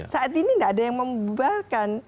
saat ini tidak ada yang membubarkan